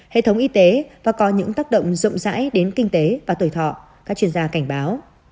hệ thống y tế và có những tác động rộng rãi đến kinh tế và tuổi thọ các chuyên gia cảnh báo